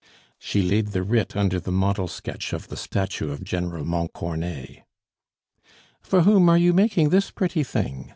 She laid the writ under the model sketch of the statue of General Montcornet. "For whom are you making this pretty thing?"